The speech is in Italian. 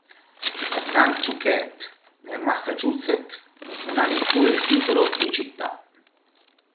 Nantucket nel Massachusetts non ha neppure il titolo di città.